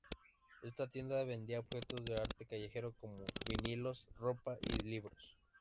Esta tienda vendía objetos de arte callejero como vinilos, ropa, y libros.